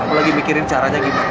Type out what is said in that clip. aku lagi mikirin caranya gimana